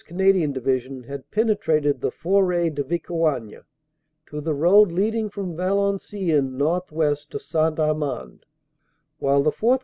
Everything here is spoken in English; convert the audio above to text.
Canadian Division had penetrated the Foret de Vicoigne to the road leading from Valenciennes northwest to St. Amand, while the 4th.